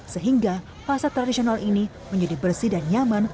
sehingga pasar tradisional ini menjadi bersih dan nyaman